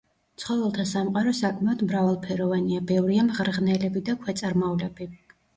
ცხოველთა სამყარო საკმაოდ მრავალფეროვანია: ბევრია მღრღნელები და ქვეწარმავლები.